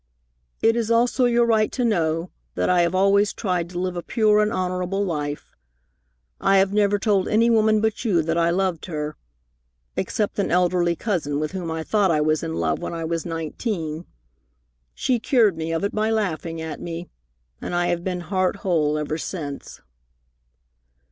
"It is also your right to know that I have always tried to live a pure and honorable life. I have never told any woman but you that I loved her except an elderly cousin with whom I thought I was in love when I was nineteen. She cured me of it by laughing at me, and I have been heart whole ever since."